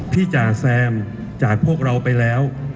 จ่าแซมจากพวกเราไปแล้ว